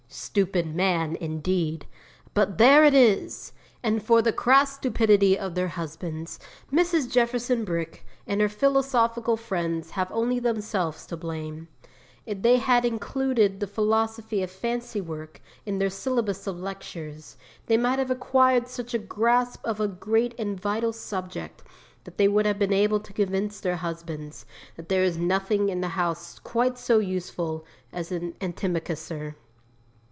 Stupid man, indeed! But there it is! And for the crass stupidity of their husbands, Mrs. Jefferson Brick and her philosophical friends have only themselves to blame. If they had included the Philosophy of Fancy work in their syllabus of lectures, they might have acquired such a grasp of a great and vital subject that they would have been able to convince their husbands that there is nothing in the house quite so useful as an antimacassar.